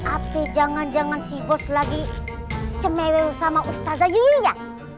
apa jangan jangan si bos lagi cemewel sama ustazayu ya